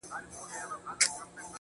حمزه وحدت الوجودي صوفي دی